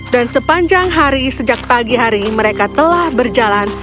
dan sepanjang hari sejak pagi hari mereka telah berjalan